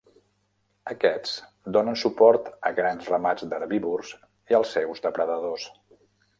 Aquests donen suport a grans ramats d'herbívors i als seus depredadors.